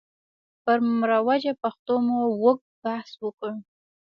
پر مروجه پښتو مو اوږد بحث وکړ.